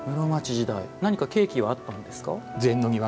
何か契機はあったんですか。